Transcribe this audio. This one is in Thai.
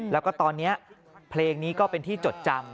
แล้วก็ตอนนี้เพลงนี้ก็เป็นที่จดจำ